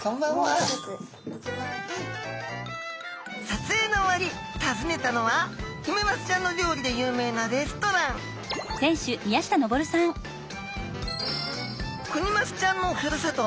撮影の終わり訪ねたのはヒメマスちゃんの料理で有名なレストランクニマスちゃんのふるさと